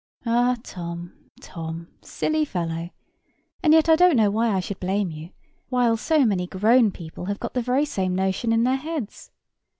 Ah, Tom, Tom, silly fellow! and yet I don't know why I should blame you, while so many grown people have got the very same notion in their heads.